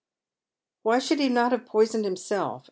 341 Why should he not have poisoned himself